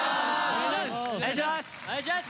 お願いします！